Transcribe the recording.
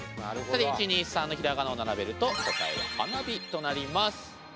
それで１２３のひらがなを並べると答えは「はなび」となります。